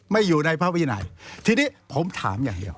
อยู่ในพระวินัยทีนี้ผมถามอย่างเดียว